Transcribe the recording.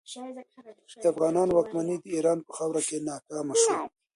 د افغانانو واکمني د ایران په خاوره کې ناکامه شوه.